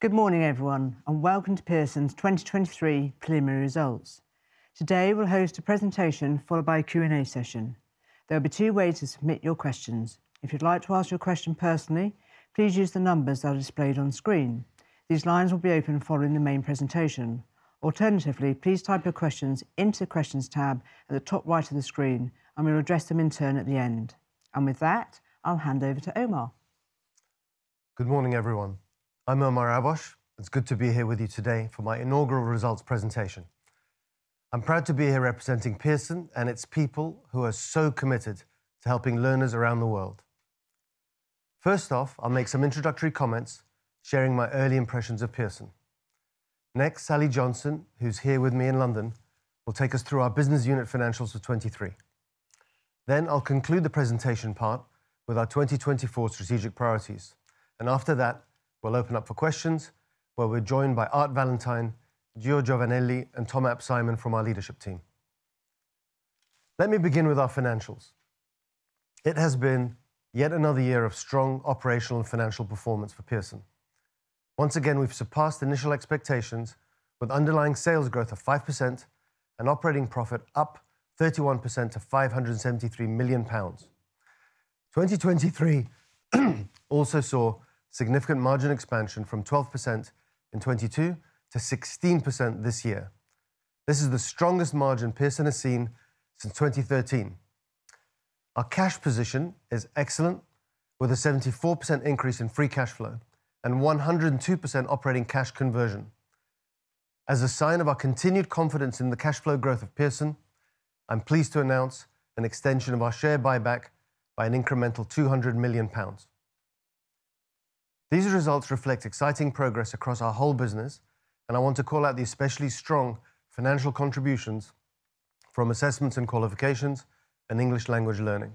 Good morning, everyone, and welcome to Pearson's 2023 Preliminary Results. Today we'll host a presentation followed by a Q&A session. There will be two ways to submit your questions. If you'd like to ask your question personally, please use the numbers that are displayed on screen. These lines will be open following the main presentation. Alternatively, please type your questions into the Questions tab at the top right of the screen, and we'll address them in turn at the end. With that, I'll hand over to Omar. Good morning, everyone. I'm Omar Abbosh, and it's good to be here with you today for my inaugural results presentation. I'm proud to be here representing Pearson and its people who are so committed to helping learners around the world. First off, I'll make some introductory comments sharing my early impressions of Pearson. Next, Sally Johnson, who's here with me in London, will take us through our Business Unit Financials for 2023. Then I'll conclude the presentation part with our 2024 strategic priorities. And after that, we'll open up for questions where we're joined by Art Valentine, Giovanni Giovannelli, and Tom ap Simon, from our leadership team. Let me begin with our financials. It has been yet another year of strong operational and financial performance for Pearson. Once again, we've surpassed initial expectations with underlying sales growth of 5% and operating profit up 31% to 573 million pounds. 2023 also saw significant margin expansion from 12% in 2022 to 16% this year. This is the strongest margin Pearson has seen since 2013. Our cash position is excellent with a 74% increase in free cash flow and 102% operating cash conversion. As a sign of our continued confidence in the cash flow growth of Pearson, I'm pleased to announce an extension of our share buyback by an incremental 200 million pounds. These results reflect exciting progress across our whole business, and I want to call out the especially strong financial contributions from assessments and qualifications and English language learning.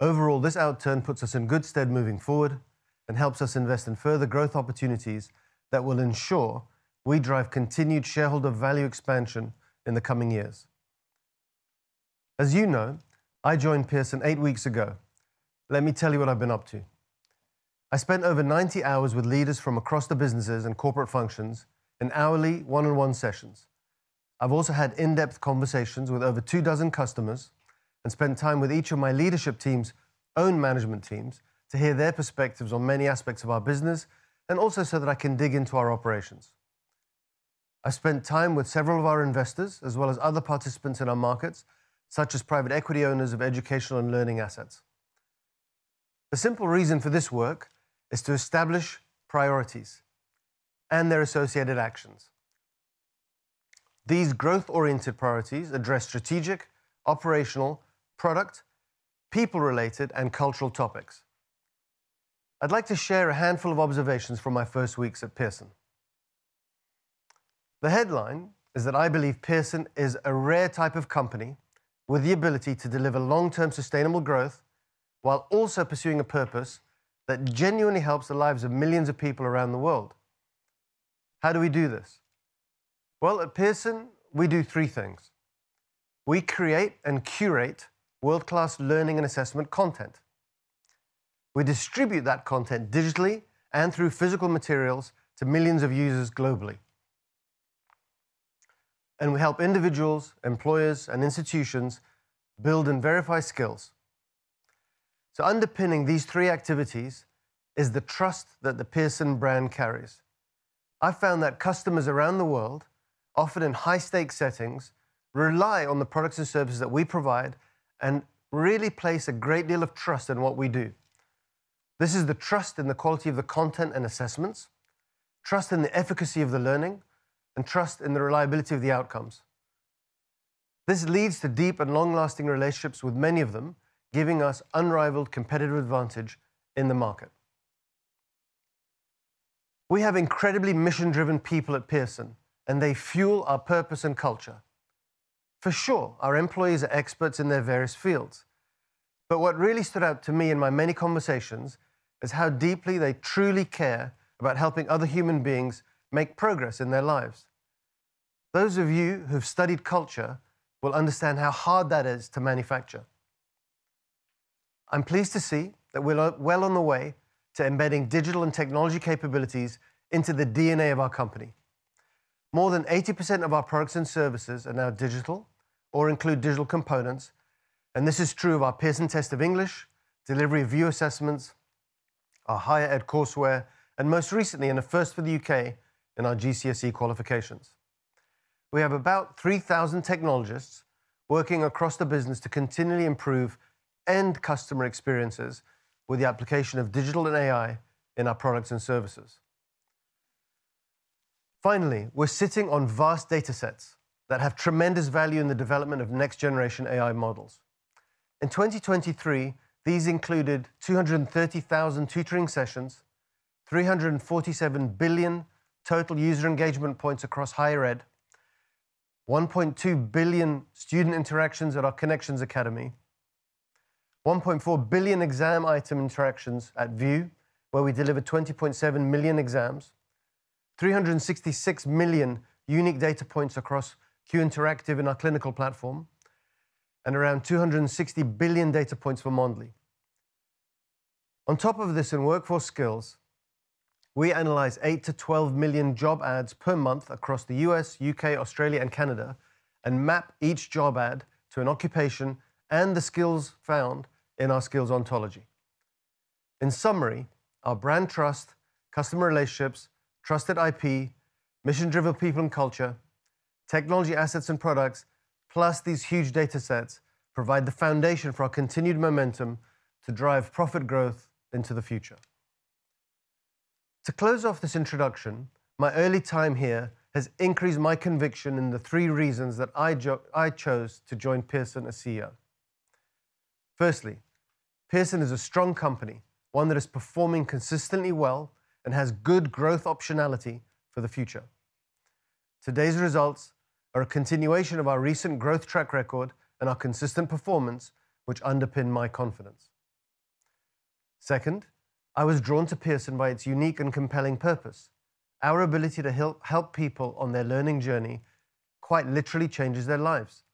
Overall, this outturn puts us in good stead moving forward and helps us invest in further growth opportunities that will ensure we drive continued shareholder value expansion in the coming years. As you know, I joined Pearson eight weeks ago. Let me tell you what I've been up to. I spent over 90 hours with leaders from across the businesses and corporate functions in hourly one-on-one sessions. I've also had in-depth conversations with over 24 customers and spent time with each of my leadership team's own management teams to hear their perspectives on many aspects of our business and also so that I can dig into our operations. I spent time with several of our investors as well as other participants in our markets, such as private equity owners of educational and learning assets. The simple reason for this work is to establish priorities and their associated actions. These growth-oriented priorities address strategic, operational, product, people-related, and cultural topics. I'd like to share a handful of observations from my first weeks at Pearson. The headline is that I believe Pearson is a rare type of company with the ability to deliver long-term sustainable growth while also pursuing a purpose that genuinely helps the lives of millions of people around the world. How do we do this? Well, at Pearson, we do three things. We create and curate world-class learning and assessment content. We distribute that content digitally and through physical materials to millions of users globally. We help individuals, employers, and institutions build and verify skills. Underpinning these three activities is the trust that the Pearson brand carries. I've found that customers around the world, often in high-stakes settings, rely on the products and services that we provide and really place a great deal of trust in what we do. This is the trust in the quality of the content and assessments, trust in the efficacy of the learning, and trust in the reliability of the outcomes. This leads to deep and long-lasting relationships with many of them, giving us unrivaled competitive advantage in the market. We have incredibly mission-driven people at Pearson, and they fuel our purpose and culture. For sure, our employees are experts in their various fields. But what really stood out to me in my many conversations is how deeply they truly care about helping other human beings make progress in their lives. Those of you who've studied culture will understand how hard that is to manufacture. I'm pleased to see that we're well on the way to embedding digital and technology capabilities into the DNA of our company. More than 80% of our products and services are now digital or include digital components. This is true of our Pearson Test of English, delivery of your assessments, our Higher Ed courseware, and most recently, in a first for the U.K., in our GCSE qualifications. We have about 3,000 technologists working across the business to continually improve end customer experiences with the application of digital and AI in our products and services. Finally, we're sitting on vast data sets that have tremendous value in the development of next-generation AI models. In 2023, these included 230,000 tutoring sessions, 347 billion total user engagement points across Higher Ed, 1.2 billion student interactions at our Connections Academy, 1.4 billion exam item interactions at VUE, where we deliver 20.7 million exams, 366 million unique data points across Q Interactive in our clinical platform, and around 260 billion data points for Mondly. On top of this, in workforce skills, we analyze 8-12 million job ads per month across the U.S., U.K., Australia, and Canada, and map each job ad to an occupation and the skills found in our Skills Ontology. In summary, our brand trust, customer relationships, trusted IP, mission-driven people and culture, technology assets and products, plus these huge data sets, provide the foundation for our continued momentum to drive profit growth into the future. To close off this introduction, my early time here has increased my conviction in the three reasons that I chose to join Pearson as CEO. Firstly, Pearson is a strong company, one that is performing consistently well and has good growth optionality for the future. Today's results are a continuation of our recent growth track record and our consistent performance, which underpin my confidence. Second, I was drawn to Pearson by its unique and compelling purpose. Our ability to help people on their learning journey quite literally changes their lives.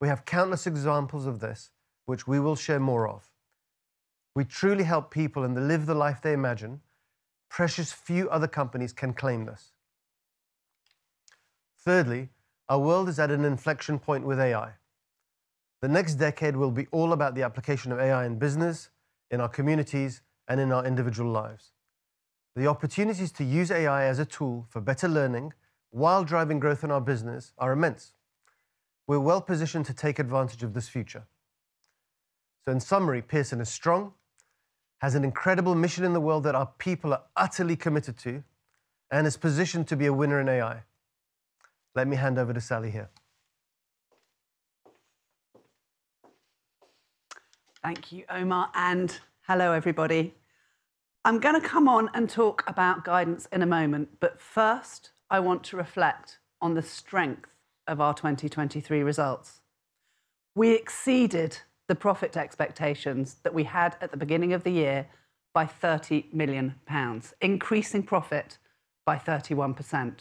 We have countless examples of this, which we will share more of. We truly help people to live the life they imagine. Precious few other companies can claim this. Thirdly, our world is at an inflection point with AI. The next decade will be all about the application of AI in business, in our communities, and in our individual lives. The opportunities to use AI as a tool for better learning while driving growth in our business are immense. We're well positioned to take advantage of this future. So in summary, Pearson is strong, has an incredible mission in the world that our people are utterly committed to, and is positioned to be a winner in AI. Let me hand over to Sally here. Thank you, Omar, and hello, everybody. I'm going to come on and talk about guidance in a moment. But first, I want to reflect on the strength of our 2023 results. We exceeded the profit expectations that we had at the beginning of the year by 30 million pounds, increasing profit by 31%.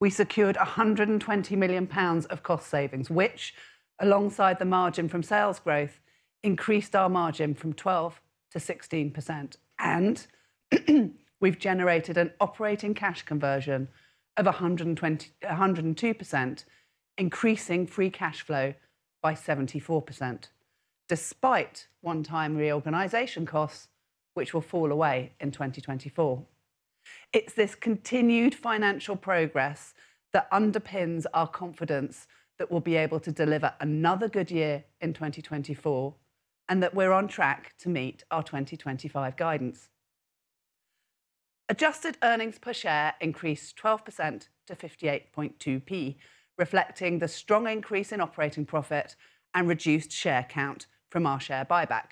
We secured 120 million pounds of cost savings, which, alongside the margin from sales growth, increased our margin from 12%-16%. And we've generated an operating cash conversion of 102%, increasing free cash flow by 74%, despite one-time reorganization costs, which will fall away in 2024. It's this continued financial progress that underpins our confidence that we'll be able to deliver another good year in 2024 and that we're on track to meet our 2025 guidance. Adjusted earnings per share increased 12% to 58.2%, reflecting the strong increase in operating profit and reduced share count from our share buyback.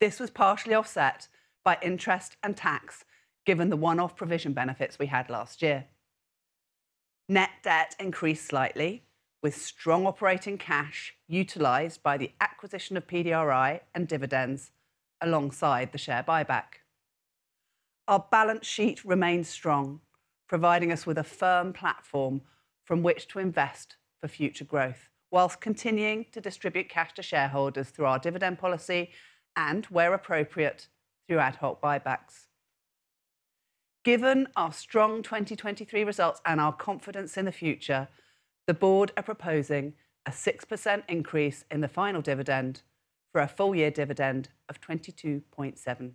This was partially offset by interest and tax given the one-off provision benefits we had last year. Net debt increased slightly with strong operating cash utilized by the acquisition of PDRI and dividends alongside the share buyback. Our balance sheet remains strong, providing us with a firm platform from which to invest for future growth while continuing to distribute cash to shareholders through our dividend policy and, where appropriate, through ad hoc buybacks. Given our strong 2023 results and our confidence in the future, the board are proposing a 6% increase in the final dividend for a full-year dividend of 22.7%.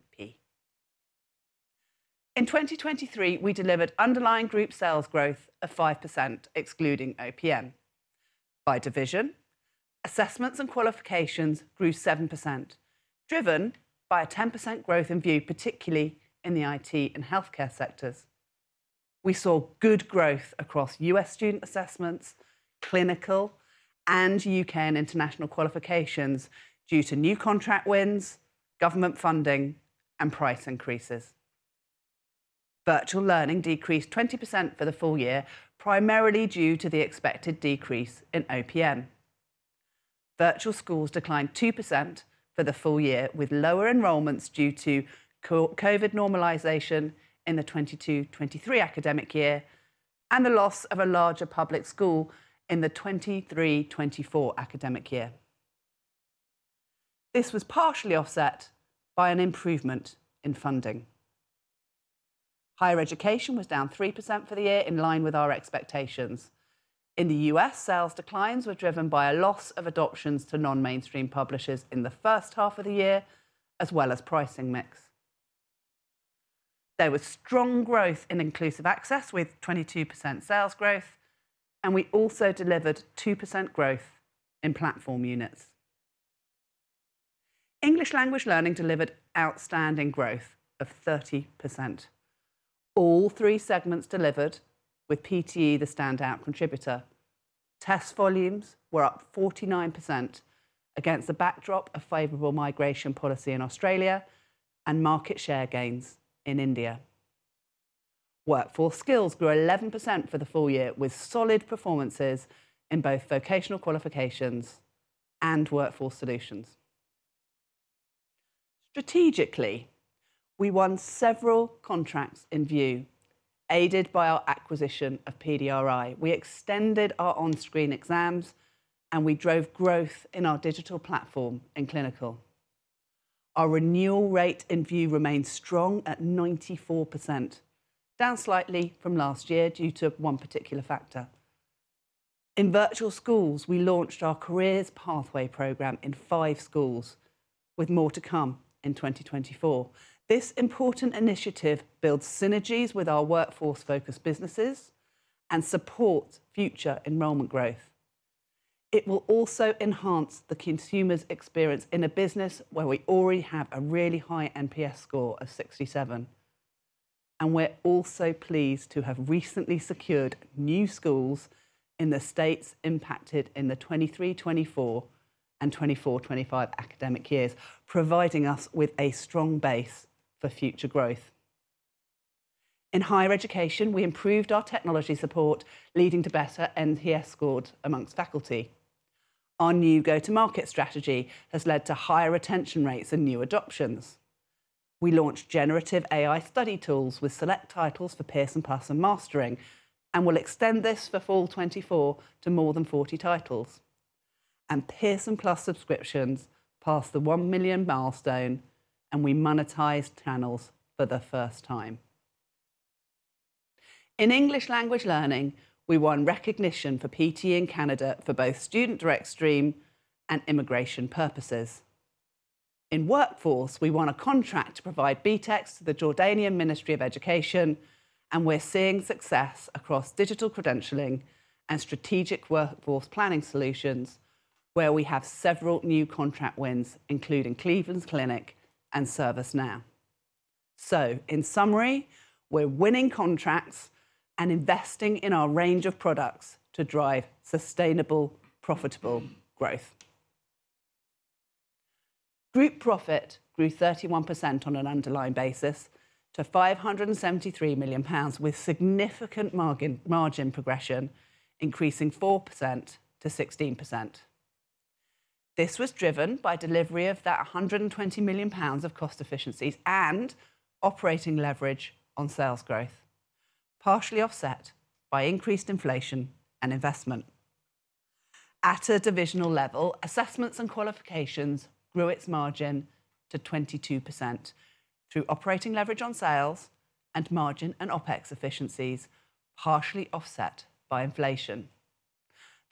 In 2023, we delivered underlying group sales growth of 5%, excluding OPM. By division, Assessments and Qualifications grew 7%, driven by a 10% growth in VUE, particularly in the IT and healthcare sectors. We saw good growth across U.S. student assessments, clinical, and U.K. and international qualifications due to new contract wins, government funding, and price increases. Virtual learning decreased 20% for the full year, primarily due to the expected decrease in OPM. Virtual schools declined 2% for the full year, with lower enrollments due to COVID normalization in the 2022-2023 academic year and the loss of a larger public school in the 2023-2024 academic year. This was partially offset by an improvement in funding. Higher Education was down 3% for the year, in line with our expectations. In the U.S., sales declines were driven by a loss of adoptions to non-mainstream publishers in the first half of the year, as well as pricing mix. There was strong growth in Inclusive Access with 22% sales growth, and we also delivered 2% growth in platform units. English Language Learning delivered outstanding growth of 30%, all three segments delivered with PTE the standout contributor. Test volumes were up 49% against the backdrop of favorable migration policy in Australia and market share gains in India. Workforce Skills grew 11% for the full year, with solid performances in both vocational qualifications and workforce solutions. Strategically, we won several contracts in VUE, aided by our acquisition of PDRI. We extended our on-screen exams, and we drove growth in our digital platform and clinical. Our renewal rate in VUE remained strong at 94%, down slightly from last year due to one particular factor. In virtual schools, we launched our Career Pathway program in five schools, with more to come in 2024. This important initiative builds synergies with our workforce-focused businesses and supports future enrollment growth. It will also enhance the consumer's experience in a business where we already have a really high NPS score of 67. We're also pleased to have recently secured new schools in the states impacted in the 2023-2024 and 2024-2025 academic years, providing us with a strong base for future growth. In Higher Education, we improved our technology support, leading to better NPS scores among faculty. Our new go-to-market strategy has led to higher retention rates and new adoptions. We launched generative AI study tools with select titles for Pearson+ and Mastering, and will extend this for fall 2024 to more than 40 titles. Pearson+ subscriptions passed the one million milestone, and we monetized channels for the first time. In English language learning, we won recognition for PTE in Canada for both student direct stream and immigration purposes. In workforce, we won a contract to provide BTEC to the Jordanian Ministry of Education, and we're seeing success across digital credentialing and strategic workforce planning solutions, where we have several new contract wins, including Cleveland Clinic and ServiceNow. So in summary, we're winning contracts and investing in our range of products to drive sustainable, profitable growth. Group profit grew 31% on an underlying basis to 573 million pounds, with significant margin progression, increasing 4% to 16%. This was driven by delivery of that 120 million pounds of cost efficiencies and operating leverage on sales growth, partially offset by increased inflation and investment. At a divisional level, Assessments and Qualifications grew its margin to 22% through operating leverage on sales and margin and OpEx efficiencies, partially offset by inflation.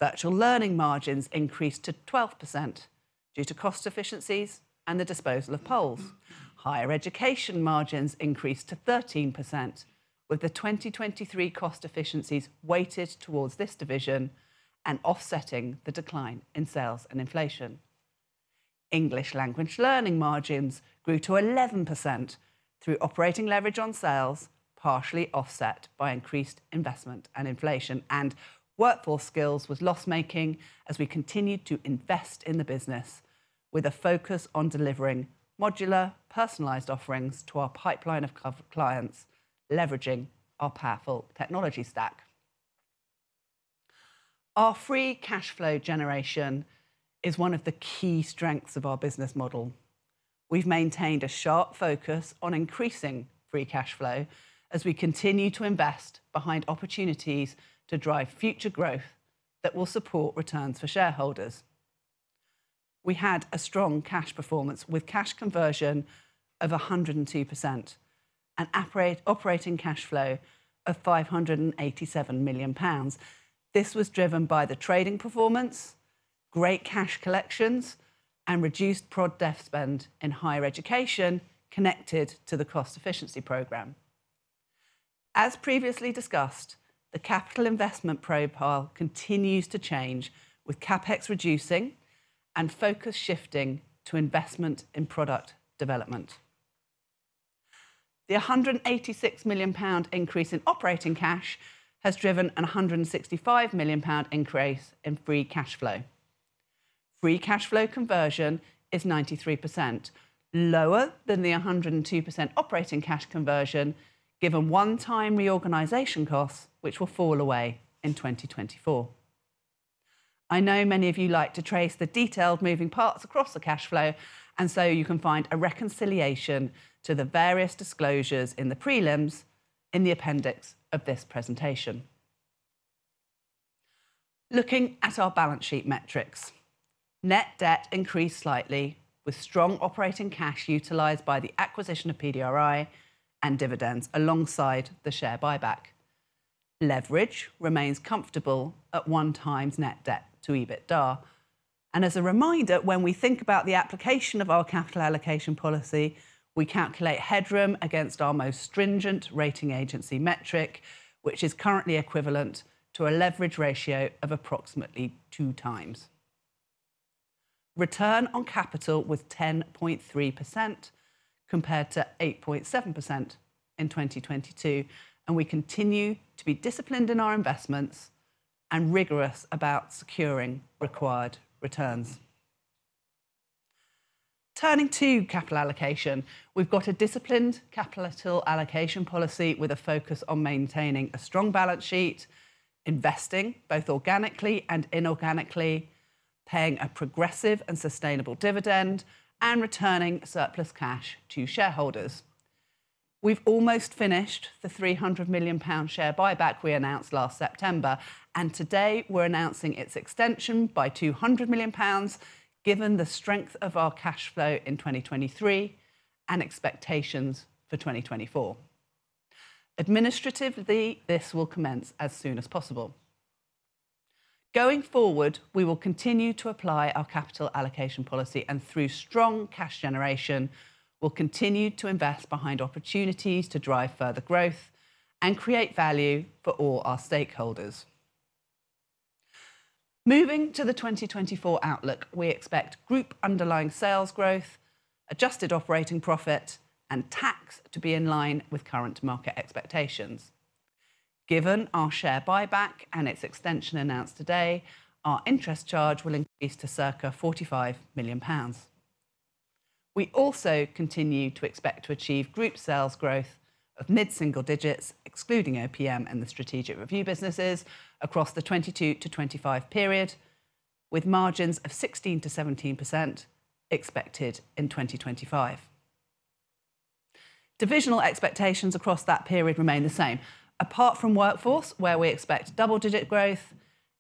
Virtual Learning margins increased to 12% due to cost efficiencies and the disposal of POLS. Higher Education margins increased to 13%, with the 2023 cost efficiencies weighted towards this division and offsetting the decline in sales and inflation. English Language Learning margins grew to 11% through operating leverage on sales, partially offset by increased investment and inflation. Workforce Skills were loss-making as we continued to invest in the business, with a focus on delivering modular, personalized offerings to our pipeline of clients, leveraging our powerful technology stack. Our Free Cash Flow generation is one of the key strengths of our business model. We've maintained a sharp focus on increasing Free Cash Flow as we continue to invest behind opportunities to drive future growth that will support returns for shareholders. We had a strong cash performance with cash conversion of 102% and operating cash flow of 587 million pounds. This was driven by the trading performance, great cash collections, and reduced prod/dev spend in Higher Education connected to the cost efficiency program. As previously discussed, the capital investment profile continues to change, with CapEx reducing and focus shifting to investment in product development. The 186 million pound increase in operating cash has driven a 165 million pound increase in free cash flow. Free cash flow conversion is 93%, lower than the 102% operating cash conversion, given one-time reorganization costs, which will fall away in 2024. I know many of you like to trace the detailed moving parts across the cash flow, and so you can find a reconciliation to the various disclosures in the prelims in the appendix of this presentation. Looking at our balance sheet metrics, net debt increased slightly, with strong operating cash utilised by the acquisition of PDRI and dividends alongside the share buyback. Leverage remains comfortable at 1x net debt to EBITDA. As a reminder, when we think about the application of our capital allocation policy, we calculate headroom against our most stringent rating agency metric, which is currently equivalent to a leverage ratio of approximately 2x. Return on capital was 10.3% compared to 8.7% in 2022, and we continue to be disciplined in our investments and rigorous about securing required returns. Turning to capital allocation, we've got a disciplined capital allocation policy with a focus on maintaining a strong balance sheet, investing both organically and inorganically, paying a progressive and sustainable dividend, and returning surplus cash to shareholders. We've almost finished the 300 million pound share buyback we announced last September, and today we're announcing its extension by 200 million pounds, given the strength of our cash flow in 2023 and expectations for 2024. Administratively, this will commence as soon as possible. Going forward, we will continue to apply our capital allocation policy, and through strong cash generation, we'll continue to invest behind opportunities to drive further growth and create value for all our stakeholders. Moving to the 2024 outlook, we expect group underlying sales growth, adjusted operating profit, and tax to be in line with current market expectations. Given our share buyback and its extension announced today, our interest charge will increase to circa 45 million pounds. We also continue to expect to achieve group sales growth of mid-single digits, excluding OPM and the strategic review businesses, across the 2022-2025 period, with margins of 16%-17% expected in 2025. Divisional expectations across that period remain the same, apart from workforce, where we expect double-digit growth,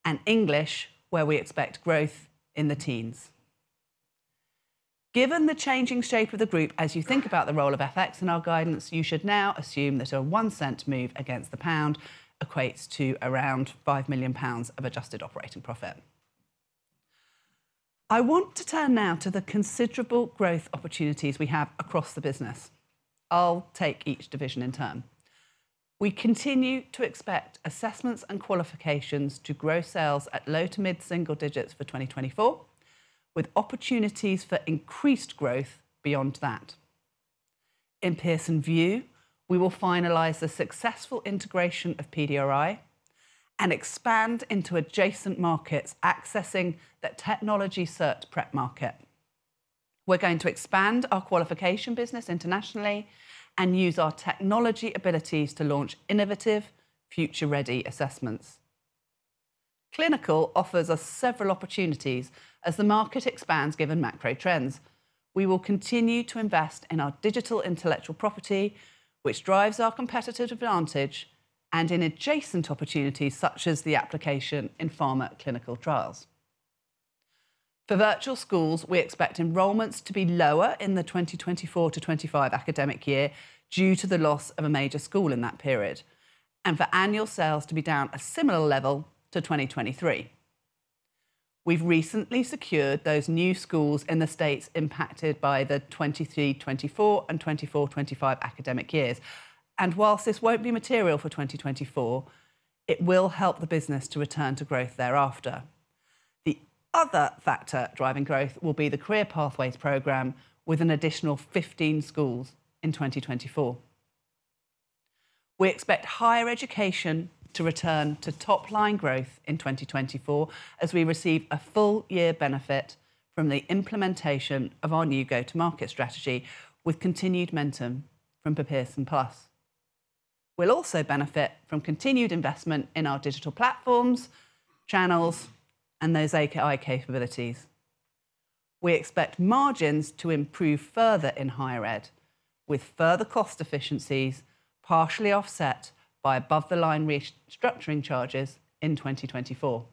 and English, where we expect growth in the teens. Given the changing shape of the group, as you think about the role of FX in our guidance, you should now assume that a 1-cent move against the pound equates to around 5 million pounds of adjusted operating profit. I want to turn now to the considerable growth opportunities we have across the business. I'll take each division in turn. We continue to expect Assessments and Qualifications to grow sales at low to mid-single digits for 2024, with opportunities for increased growth beyond that. In Pearson VUE, we will finalise the successful integration of PDRI and expand into adjacent markets, accessing the technology cert prep market. We're going to expand our qualification business internationally and use our technology abilities to launch innovative, future-ready assessments. Clinical offers us several opportunities as the market expands, given macro trends. We will continue to invest in our digital intellectual property, which drives our competitive advantage, and in adjacent opportunities such as the application in pharma clinical trials. For virtual schools, we expect enrollments to be lower in the 2024-2025 academic year due to the loss of a major school in that period, and for annual sales to be down a similar level to 2023. We've recently secured those new schools in the states impacted by the 2023-2024 and 2024-2025 academic years, and whilst this won't be material for 2024, it will help the business to return to growth thereafter. The other factor driving growth will be the Career Pathways programme, with an additional 15 schools in 2024. We expect higher education to return to top-line growth in 2024 as we receive a full-year benefit from the implementation of our new go-to-market strategy, with continued momentum from Pearson+. We'll also benefit from continued investment in our digital platforms, channels, and those AI capabilities. We expect margins to improve further in higher ed, with further cost efficiencies partially offset by above-the-line restructuring charges in 2024.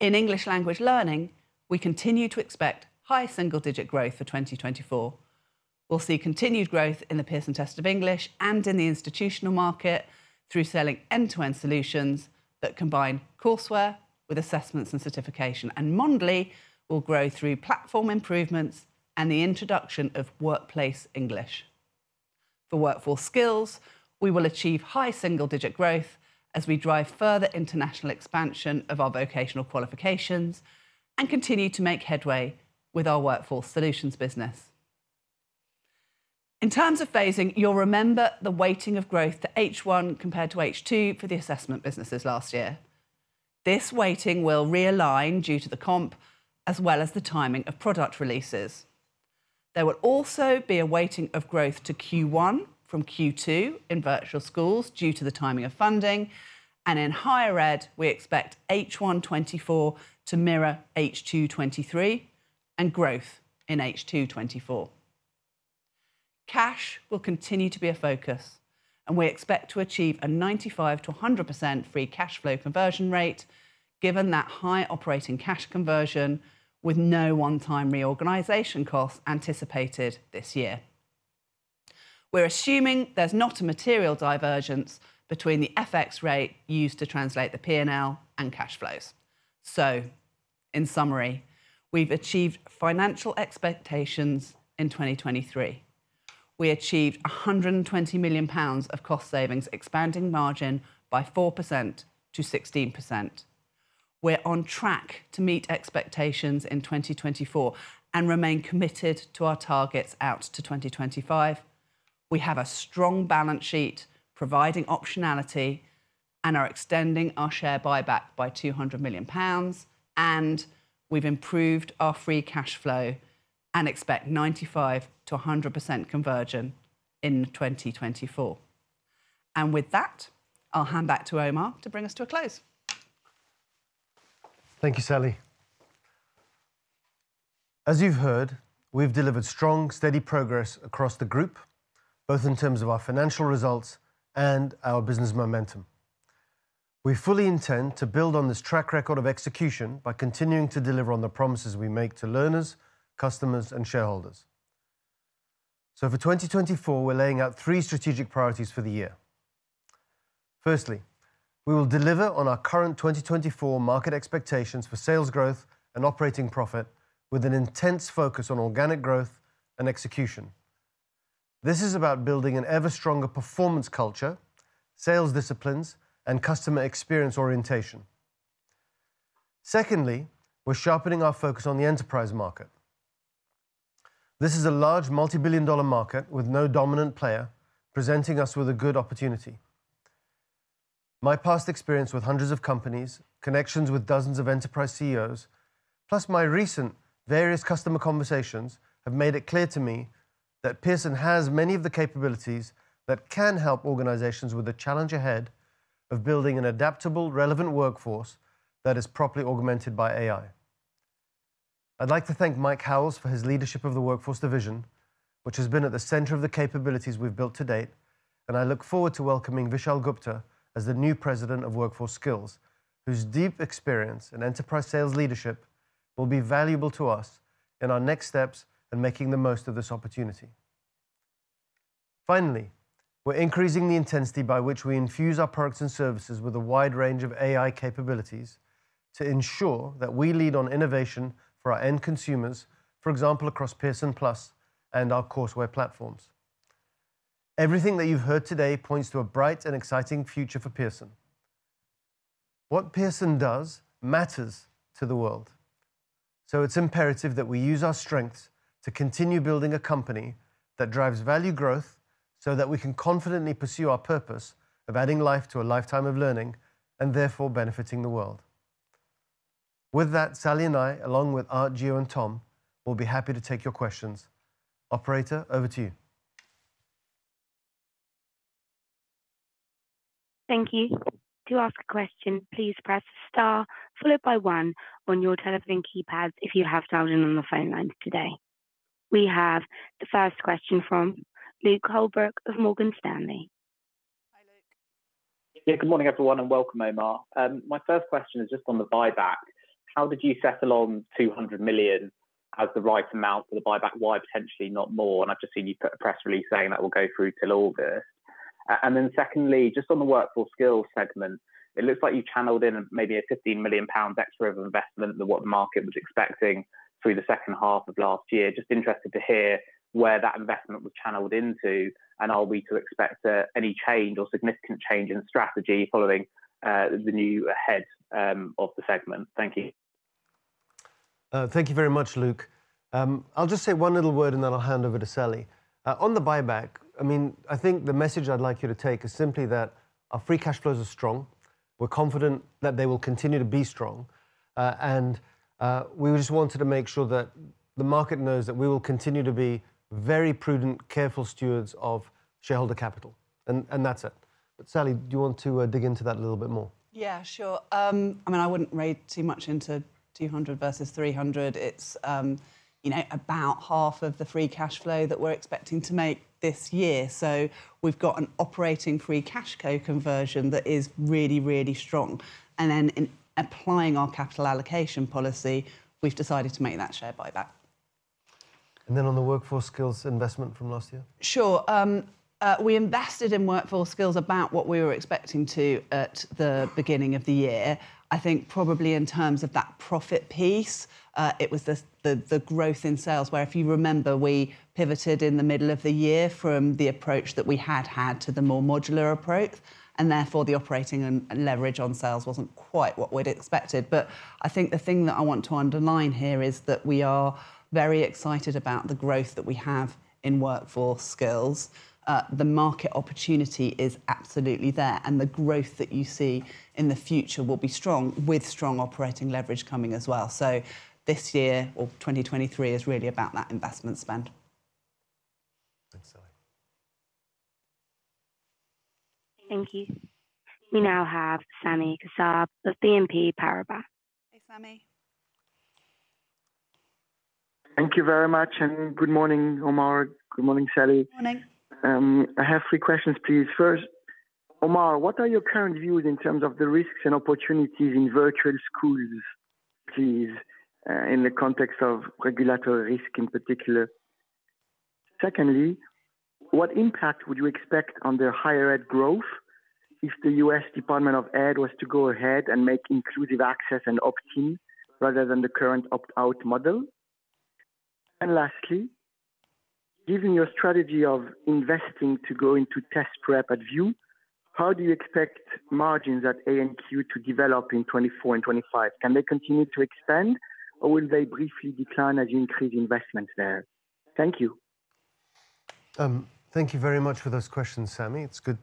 In English language learning, we continue to expect high single-digit growth for 2024. We'll see continued growth in the Pearson Test of English and in the institutional market through selling end-to-end solutions that combine courseware with assessments and certification, and Mondly will grow through platform improvements and the introduction of Workplace English. For workforce skills, we will achieve high single-digit growth as we drive further international expansion of our vocational qualifications and continue to make headway with our workforce solutions business. In terms of phasing, you'll remember the weighting of growth to H1 compared to H2 for the assessment businesses last year. This weighting will realign due to the comp, as well as the timing of product releases. There will also be a weighting of growth to Q1 from Q2 in virtual schools due to the timing of funding, and in higher ed, we expect H1-2024 to mirror H2-2023 and growth in H2-2024. Cash will continue to be a focus, and we expect to achieve a 95%-100% free cash flow conversion rate, given that high operating cash conversion with no one-time reorganization costs anticipated this year. We're assuming there's not a material divergence between the FX rate used to translate the P&L and cash flows. So in summary, we've achieved financial expectations in 2023. We achieved 120 million pounds of cost savings expanding margin by 4%-16%. We're on track to meet expectations in 2024 and remain committed to our targets out to 2025. We have a strong balance sheet providing optionality, and are extending our share buyback by 200 million pounds, and we've improved our free cash flow and expect 95%-100% conversion in 2024. With that, I'll hand back to Omar to bring us to a close. Thank you, Sally. As you've heard, we've delivered strong, steady progress across the group, both in terms of our financial results and our business momentum. We fully intend to build on this track record of execution by continuing to deliver on the promises we make to learners, customers, and shareholders. For 2024, we're laying out three strategic priorities for the year. Firstly, we will deliver on our current 2024 market expectations for sales growth and operating profit, with an intense focus on organic growth and execution. This is about building an ever-stronger performance culture, sales disciplines, and customer experience orientation. Secondly, we're sharpening our focus on the enterprise market. This is a large multibillion-dollar market with no dominant player presenting us with a good opportunity. My past experience with hundreds of companies, connections with dozens of enterprise CEOs, plus my recent various customer conversations have made it clear to me that Pearson has many of the capabilities that can help organizations with the challenge ahead of building an adaptable, relevant workforce that is properly augmented by AI. I'd like to thank Mike Howells for his leadership of the Workforce Division, which has been at the center of the capabilities we've built to date, and I look forward to welcoming Vishaal Gupta as the new President of Workforce Skills, whose deep experience in enterprise sales leadership will be valuable to us in our next steps and making the most of this opportunity. Finally, we're increasing the intensity by which we infuse our products and services with a wide range of AI capabilities to ensure that we lead on innovation for our end consumers, for example, across Pearson+ and our courseware platforms. Everything that you've heard today points to a bright and exciting future for Pearson. What Pearson does matters to the world, so it's imperative that we use our strengths to continue building a company that drives value growth so that we can confidently pursue our purpose of adding life to a lifetime of learning and therefore benefiting the world. With that, Sally and I, along with Art, Gio, and Tom, will be happy to take your questions. Operator, over to you. Thank you. To ask a question, please press a star followed by one on your telephone keypads if you have children on the phone lines today. We have the first question from Luke Holbrook of Morgan Stanley. Hi, Luke. Good morning, everyone, and welcome, Omar. My first question is just on the buyback. How did you settle on 200 million as the right amount for the buyback, why potentially not more? And I've just seen you put a press release saying that will go through till August. And then secondly, just on the workforce skills segment, it looks like you channeled in maybe a 15 million pounds extra of investment than what the market was expecting through the second half of last year. Just interested to hear where that investment was channeled into, and are we to expect any change or significant change in strategy following the new head of the segment? Thank you. Thank you very much, Luke. I'll just say one little word, and then I'll hand over to Sally. On the buyback, I mean, I think the message I'd like you to take is simply that our free cash flows are strong. We're confident that they will continue to be strong, and we just wanted to make sure that the market knows that we will continue to be very prudent, careful stewards of shareholder capital, and that's it. But Sally, do you want to dig into that a little bit more? Yeah, sure. I mean, I wouldn't read too much into 200 versus 300. It's about half of the free cash flow that we're expecting to make this year. So we've got an operating free cash flow conversion that is really, really strong. And then in applying our capital allocation policy, we've decided to make that share buyback. And then on the workforce skills investment from last year? Sure. We invested in Workforce Skills about what we were expecting to at the beginning of the year. I think probably in terms of that profit piece, it was the growth in sales, where if you remember, we pivoted in the middle of the year from the approach that we had had to the more modular approach, and therefore the operating leverage on sales wasn't quite what we'd expected. But I think the thing that I want to underline here is that we are very excited about the growth that we have in Workforce Skills. The market opportunity is absolutely there, and the growth that you see in the future will be strong with strong operating leverage coming as well. So this year or 2023 is really about that investment spend. Thanks, Sally. Thank you. We now have Sami Kassab of BNP Paribas. Hi, Sami. Thank you very much, and good morning, Omar. Good morning, Sally. Good morning. I have three questions, please. First, Omar, what are your current views in terms of the risks and opportunities in virtual schools, please, in the context of regulatory risk in particular? Secondly, what impact would you expect on their Higher Ed growth if the U.S. Department of Ed was to go ahead and make Inclusive Access and opt-in rather than the current opt-out model? And lastly, given your strategy of investing to go into test prep at VUE, how do you expect margins at ANQ to develop in 2024 and 2025? Can they continue to expand, or will they briefly decline as you increase investment there? Thank you. Thank you very much for those questions, Sami. It's good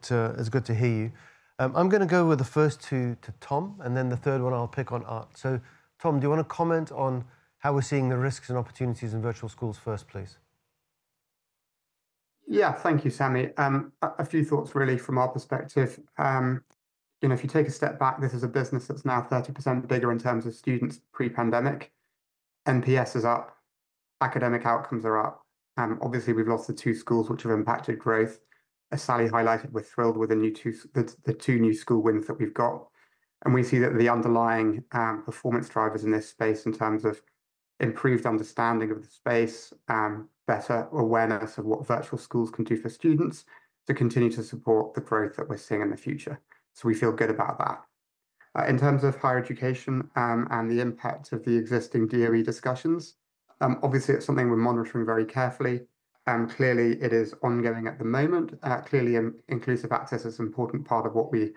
to hear you. I'm going to go with the first two to Tom, and then the third one I'll pick on Arthur. So Tom, do you want to comment on how we're seeing the risks and opportunities in virtual schools first, please? Yeah, thank you, Sami. A few thoughts really from our perspective. If you take a step back, this is a business that's now 30% bigger in terms of students pre-pandemic. NPS is up. Academic outcomes are up. Obviously, we've lost the two schools which have impacted growth. As Sally highlighted, we're thrilled with the two new school wins that we've got, and we see that the underlying performance drivers in this space in terms of improved understanding of the space, better awareness of what virtual schools can do for students to continue to support the growth that we're seeing in the future. So we feel good about that. In terHs of Higher Education and the impact of the existing DOE discussions, obviously, it's something we're monitoring very carefully. Clearly, it is ongoing at the moment. Clearly, Inclusive Access is an important part of what we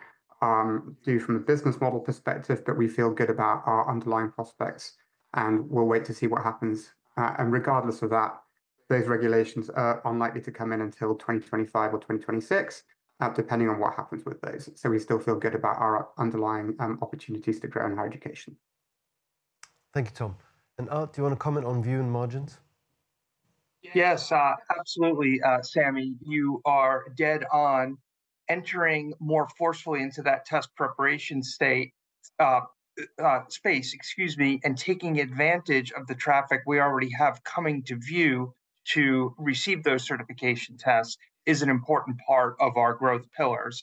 do from a business model perspective, but we feel good about our underlying prospects, and we'll wait to see what happens. And regardless of that, those regulations are unlikely to come in until 2025 or 2026, depending on what happens with those. So we still feel good about our underlying opportunities to grow in Higher Education. Thank you, Tom. And Arthur, do you want to comment on VUE and margins? Yes, absolutely. Sami, you are dead on. Entering more forcefully into that test preparation space, excuse me, and taking advantage of the traffic we already have coming to VUE to receive those certification tests is an important part of our growth pillars.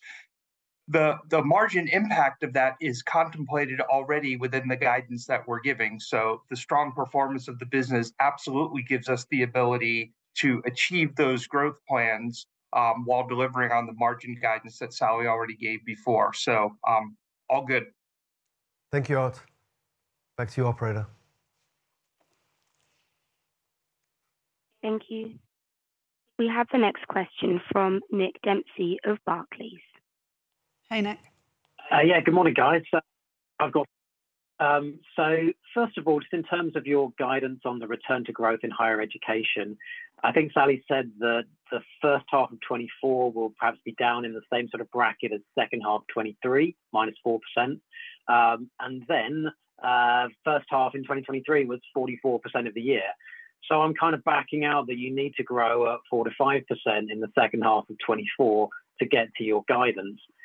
The margin impact of that is contemplated already within the guidance that we're giving. So the strong performance of the business absolutely gives us the ability to achieve those growth plans while delivering on the margin guidance that Sally already gave before. So all good. Thank you, Arthur. Back to you, Operator. Thank you. We have the next question from Nick Dempsey of Barclays. Hi, Nick. Yeah, good morning, guys. So first of all, just in terms of your guidance on the return to growth in Higher Education, I think Sally said that the first half of 2024 will perhaps be down in the same sort of bracket as second half of 2023, -4%. And then first half in 2023 was 44% of the year. So I'm kind of backing out that you need to grow at 4%-5% in the second half of 2024 to get to your guidance. Can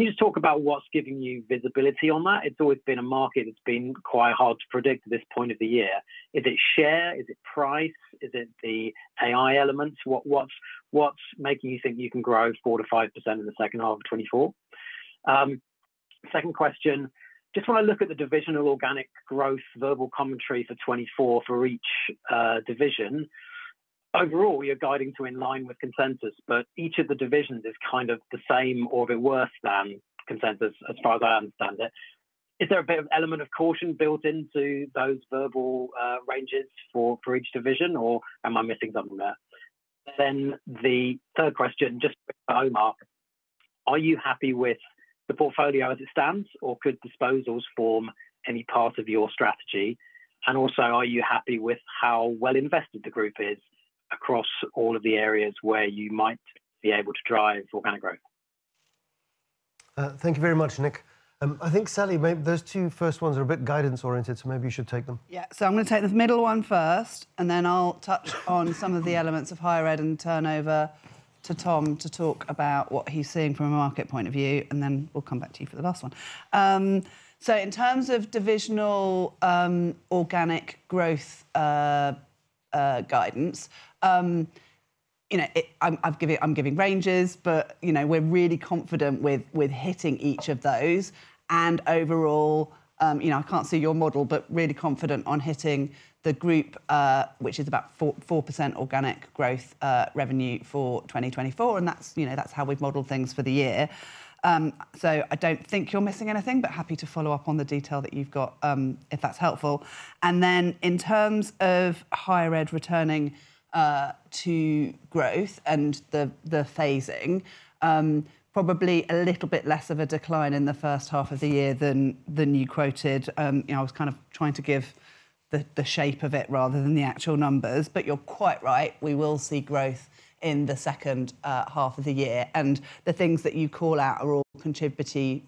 you just talk about what's giving you visibility on that? It's always been a market that's been quite hard to predict at this point of the year. Is it share? Is it price? Is it the AI elements? What's making you think you can grow 4%-5% in the second half of 2024? Second question, just want to look at the divisional organic growth verbal commentary for 2024 for each division. Overall, you're guiding to in line with consensus, but each of the divisions is kind of the same or a bit worse than consensus as far as I understand it. Is there a bit of element of caution built into those verbal ranges for each division, or am I missing something there? Then the third question, just for Omar, are you happy with the portfolio as it stands, or could disposals form any part of your strategy? And also, are you happy with how well invested the group is across all of the areas where you might be able to drive organic growth? Thank you very much, Nick. I think, Sally, those two first ones are a bit guidance-oriented, so maybe you should take them. Yeah, so I'm going to take the middle one first, and then I'll touch on some of the elements of higher Ed and turn over to Tom to talk about what he's seeing from a market point of view, and then we'll come back to you for the last one. So in terms of divisional organic growth guidance, I'm giving ranges, but we're really confident with hitting each of those. And overall, I can't see your model, but really confident on hitting the group, which is about 4% organic growth revenue for 2024, and that's how we've modeled things for the year. So I don't think you're missing anything, but happy to follow up on the detail that you've got if that's helpful. And then in terms of Higher Ed returning to growth and the phasing, probably a little bit less of a decline in the first half of the year than you quoted. I was kind of trying to give the shape of it rather than the actual numbers, but you're quite right. We will see growth in the second half of the year, and the things that you call out are all contributory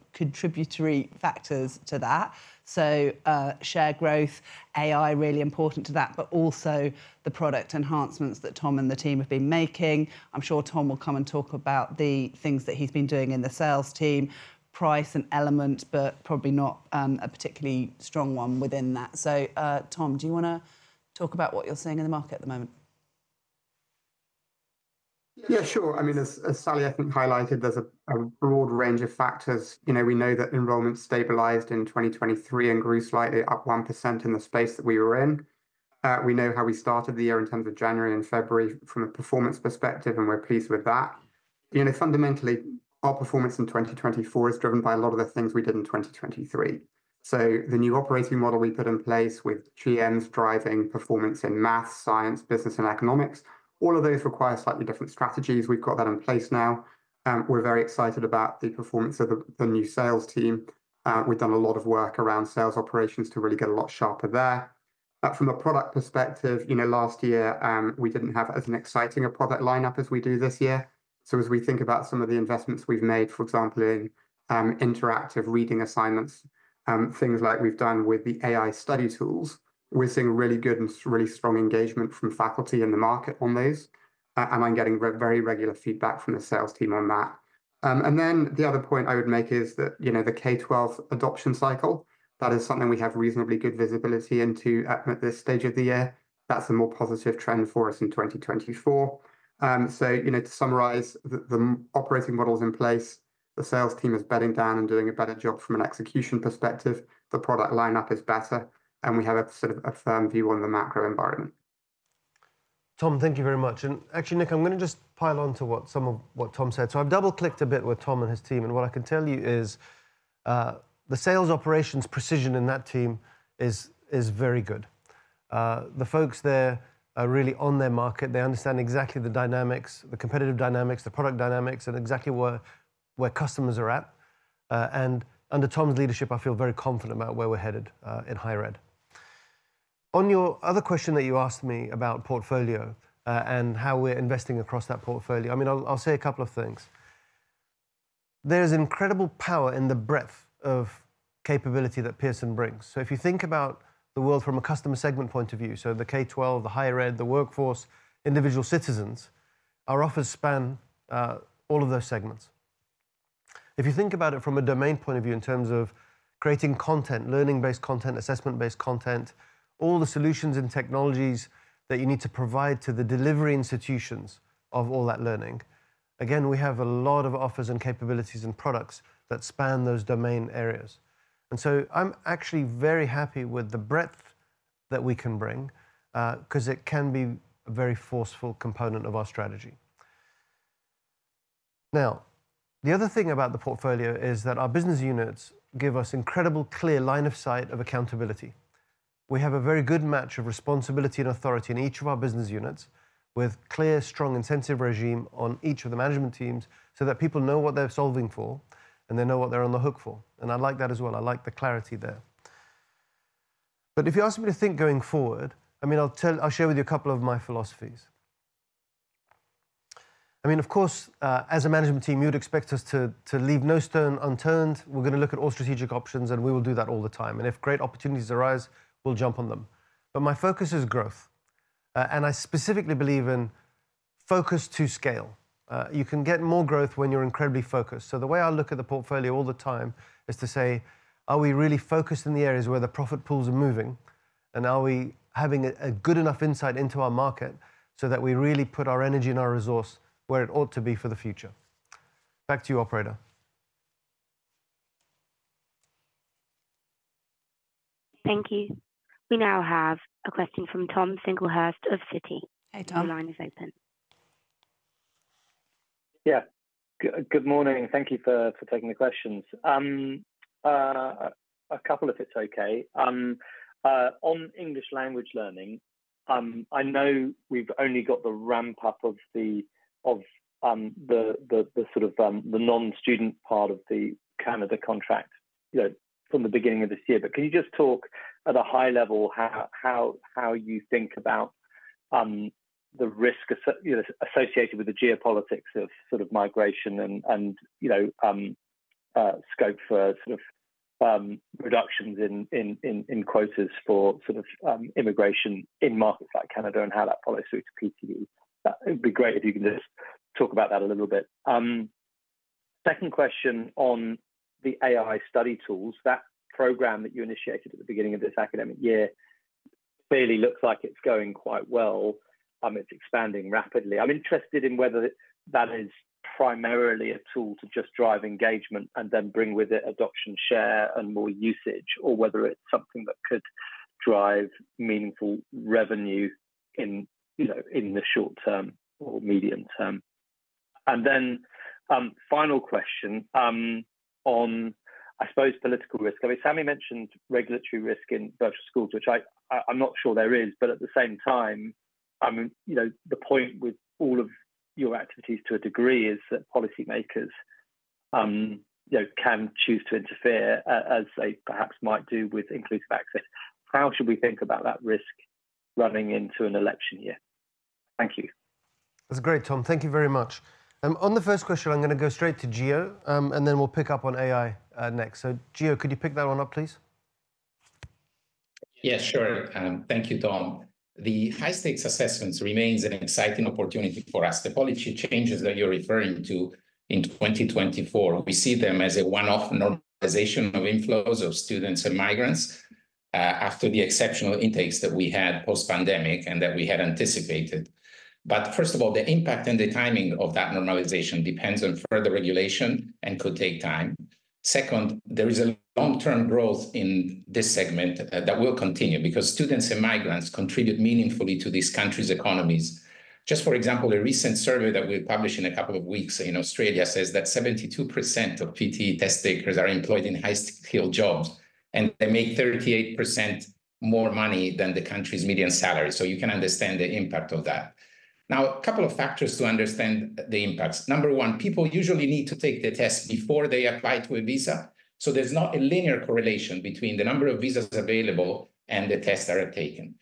factors to that. So, share growth, AI really important to that, but also the product enhancements that Tom and the team have been making. I'm sure Tom will come and talk about the things that he's been doing in the sales team, pricing elements, but probably not a particularly strong one within that. So Tom, do you want to talk about what you're seeing in the market at the moment? Yeah, sure. I mean, as Sally, I think, highlighted, there's a broad range of factors. We know that enrollment stabilized in 2023 and grew slightly up 1% in the space that we were in. We know how we started the year in terms of January and February from a performance perspective, and we're pleased with that. Fundamentally, our performance in 2024 is driven by a lot of the things we did in 2023. So the new operating model we put in place with GMs driving performance in math, science, business, and economics, all of those require slightly different strategies. We've got that in place now. We're very excited about the performance of the new sales team. We've done a lot of work around sales operations to really get a lot sharper there. From a product perspective, last year, we didn't have as exciting a product lineup as we do this year. So as we think about some of the investments we've made, for example, in interactive reading assignments, things like we've done with the AI study tools, we're seeing really good and really strong engagement from faculty in the market on those, and I'm getting very regular feedback from the sales team on that. And then the other point I would make is that the K-12 adoption cycle, that is something we have reasonably good visibility into at this stage of the year. That's a more positive trend for us in 2024. So to summarize, the operating model is in place. The sales team is bedding down and doing a better job from an execution perspective. The product lineup is better, and we have a sort of a firm view on the macro environment. Tom, thank you very much. And actually, Nick, I'm going to just pile onto what Tom said. So I've double-clicked a bit with Tom and his team, and what I can tell you is the sales operations precision in that team is very good. The folks there are really on their market. They understand exactly the dynamics, the competitive dynamics, the product dynamics, and exactly where customers are at. Under Tom's leadership, I feel very confident about where we're headed in Higher Ed. On your other question that you asked me about portfolio and how we're investing across that portfolio, I mean, I'll say a couple of things. There's incredible power in the breadth of capability that Pearson brings. So if you think about the world from a customer segment point of view, so the K-12, the Higher Ed, the workforce, individual citizens, our offers span all of those segments. If you think about it from a domain point of view in terms of creating content, learning-based content, assessment-based content, all the solutions and technologies that you need to provide to the delivery institutions of all that learning, again, we have a lot of offers and capabilities and products that span those domain areas. And so I'm actually very happy with the breadth that we can bring because it can be a very forceful component of our strategy. Now, the other thing about the portfolio is that our business units give us incredibly clear line of sight of accountability. We have a very good match of responsibility and authority in each of our business units with clear, strong incentive regime on each of the management teams so that people know what they're solving for and they know what they're on the hook for. And I like that as well. I like the clarity there. But if you ask me to think going forward, I mean, I'll share with you a couple of my philosophies. I mean, of course, as a management team, you'd expect us to leave no stone unturned. We're going to look at all strategic options, and we will do that all the time. If great opportunities arise, we'll jump on them. My focus is growth, and I specifically believe in focus to scale. You can get more growth when you're incredibly focused. The way I look at the portfolio all the time is to say, are we really focused in the areas where the profit pools are moving? And are we having a good enough insight into our market so that we really put our energy and our resource where it ought to be for the future? Back to you, Operator. Thank you. We now have a question from Tom Singlehurst of Citi. Hey, Tom. Your line is open. Yeah. Good morning. Thank you for taking the questions. A couple if it's okay. On English language learning, I know we've only got the ramp-up of the sort of the non-student part of the Canada contract from the beginning of this year. But can you just talk at a high level how you think about the risk associated with the geopolitics of sort of migration and scope for sort of reductions in quotas for sort of immigration in markets like Canada and how that follows through to PTE? It would be great if you could just talk about that a little bit. Second question on the AI study tools. That program that you initiated at the beginning of this academic year clearly looks like it's going quite well. It's expanding rapidly. I'm interested in whether that is primarily a tool to just drive engagement and then bring with it adoption share and more usage, or whether it's something that could drive meaningful revenue in the short-term or medium-term. And then final question on, I suppose, political risk. I mean, Sammy mentioned regulatory risk in virtual schools, which I'm not sure there is. But at the same time, I mean, the point with all of your activities to a degree is that policymakers can choose to interfere as they perhaps might do with Inclusive Access. How should we think about that risk running into an election year? Thank you. That's great, Tom. Thank you very much. On the first question, I'm going to go straight to Gio, and then we'll pick up on AI next. So Gio, could you pick that one up, please? Yeah, sure. Thank you, Tom. The high-stakes assessments remain an exciting opportunity for us. The policy changes that you're referring to in 2024, we see them as a one-off normalization of inflows of students and migrants after the exceptional intakes that we had post-pandemic and that we had anticipated. But first of all, the impact and the timing of that normalization depends on further regulation and could take time. Second, there is a long-term growth in this segment that will continue because students and migrants contribute meaningfully to this country's economies. Just for example, a recent survey that we published a couple of weeks ago in Australia says that 72% of PTE test takers are employed in high-skilled jobs, and they make 38% more money than the country's median salary. So you can understand the impact of that. Now, a couple of factors to understand the impacts. Number one, people usually need to take the test before they apply to a visa. So there's not a linear correlation between the number of visas available and the tests that are taken.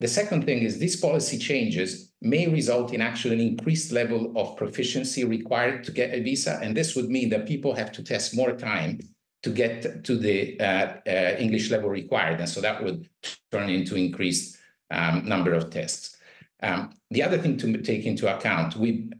The second thing is these policy changes may result in actually an increased level of proficiency required to get a visa. And this would mean that people have to test more time to get to the English level required. And so that would turn into an increased number of tests. The other thing to take into account, we've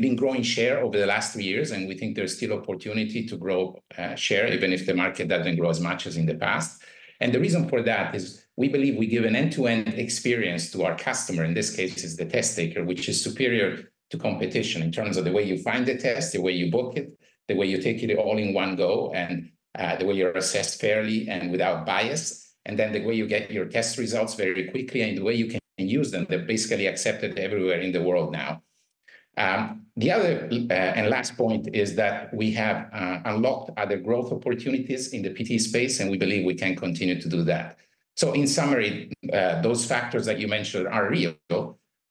been growing share over the last three years, and we think there's still opportunity to grow share, even if the market doesn't grow as much as in the past. And the reason for that is we believe we give an end-to-end experience to our customer. In this case, it's the test taker, which is superior to competition in terms of the way you find the test, the way you book it, the way you take it all in one go, and the way you're assessed fairly and without bias, and then the way you get your test results very quickly and the way you can use them. They're basically accepted everywhere in the world now. The other and last point is that we have unlocked other growth opportunities in the PTE space, and we believe we can continue to do that. So in summary, those factors that you mentioned are real,